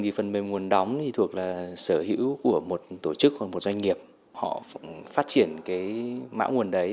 của một tổ chức hoặc một doanh nghiệp họ phát triển cái mã nguồn đấy